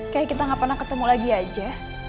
kayak kita nggak pernah ketemu lagi aja